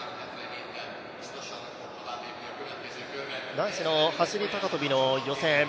男子の走高跳の予選。